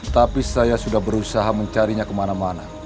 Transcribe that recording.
tapi saya sudah berusaha mencarinya kemana mana